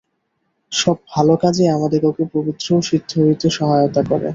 সব ভাল কাজই আমাদিগকে পবিত্র ও সিদ্ধ হইতে সহায়তা করে।